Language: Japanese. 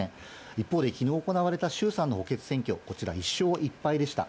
一方で、きのう行われた衆参の補欠選挙、こちら、１勝１敗でした。